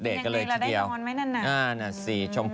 อากาศมันยิงเย็นนะครับ